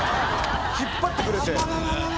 引っ張ってくれて。